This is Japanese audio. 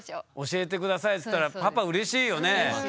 「教えて下さい」っつったらパパうれしいよね。